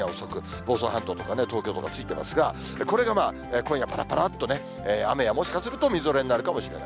房総半島とか東京とかついてますが、これが今夜、ぱらぱらっと雨や、もしかするとみぞれになるかもしれない。